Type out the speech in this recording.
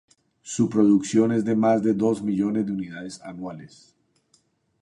Su producción es de más de dos millones de unidades anuales.